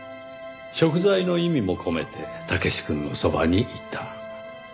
贖罪の意味も込めて武志くんのそばにいた。